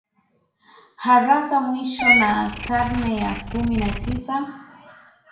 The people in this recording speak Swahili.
haraka Mwisho wa karne ya kumi na tisa